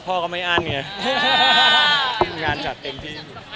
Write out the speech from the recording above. พ่อก็ไม่อ้านไง